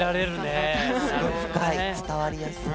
すごい深い伝わりやすい。